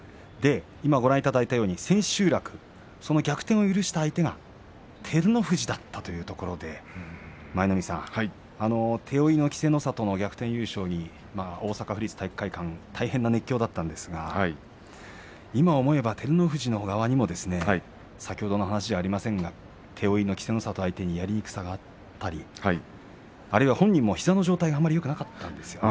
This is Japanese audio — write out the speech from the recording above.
今ご覧いただいたように千秋楽逆転を許した相手が照ノ富士だったというところで舞の海さん、手負いの稀勢の里が逆転優勝に大阪府立体育会館大変な熱狂だったんですけれど今、思えば照ノ富士の側にも先ほどの話ではありませんが手負いの稀勢の里相手にやりにくさがあったり本人も膝の状態があまりよくなかったんですよね。